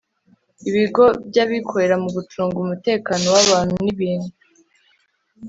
ibigo by' abikorera mu gucunga umutekano w'abantu n'ibintu